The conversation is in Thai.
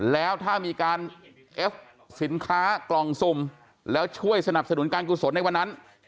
แล้วถ้ามีการเอฟสินค้ากล่องสุ่มแล้วช่วยสนับสนุนการกุศลในวันนั้น